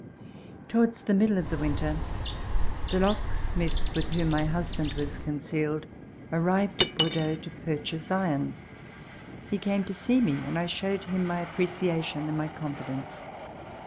Towards the middle of the winter, the locksmith \\ith whom my husband was concealed arrived at Bordeaux to purchase iron. He came to see me and I showed him my appreciation and my confidence.